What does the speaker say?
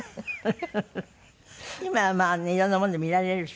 今はまあねいろんなもので見られるしね。